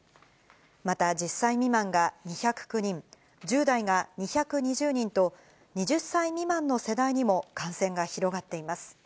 また１０歳未満が２０９人、１０代が２２０人と、２０歳未満の世代にも感染が広がっています。